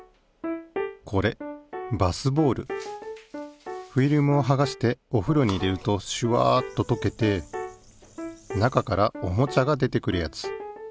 これフィルムをはがしてお風呂に入れるとシュワッと溶けて中からおもちゃが出てくるやつ。